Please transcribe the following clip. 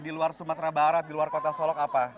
di luar sumatera barat di luar kota solok apa